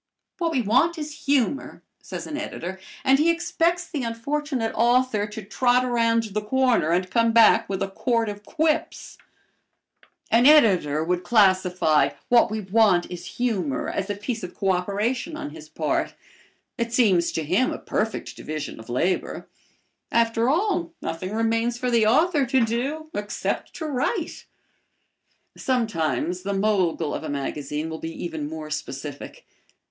"What we want is humor," says an editor, and he expects the unfortunate author to trot around the corner and come back with a quart of quips. An editor would classify "What we want is humor" as a piece of coöperation on his part. It seems to him a perfect division of labor. After all, nothing remains for the author to do except to write. Sometimes the mogul of a magazine will be even more specific.